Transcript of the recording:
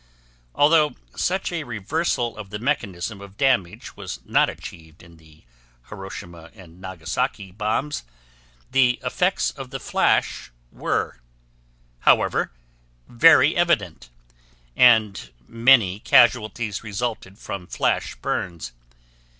Although such a reversal of the mechanism of damage was not achieved in the Hiroshima and Nagasaki bombs, the effects of the flash were, however, very evident, and many casualties resulted from flash burns.